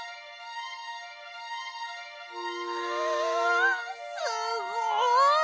あすごい！